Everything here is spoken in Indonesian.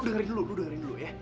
lo dengerin dulu lo dengerin dulu ya